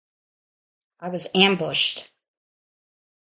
I was ambushed.